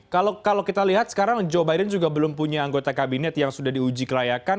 kalau kita lihat sekarang joe biden juga belum punya anggota kabinet yang sudah diuji kelayakan